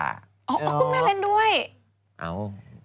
เอาคุณแม่เล่นด้วยเอา